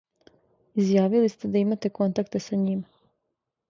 Изјавили сте да имате контакте са њима.